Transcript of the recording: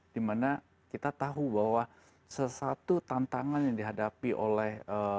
dimana kita tahu bahwa sesuatu tantangan yang dihadapi oleh